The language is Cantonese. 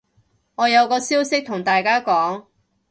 我有個消息同大家講